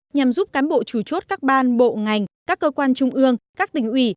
nhằm giúp cán bộ chủ chốt các ban bộ ngành các cơ quan trung ương các tỉnh ủy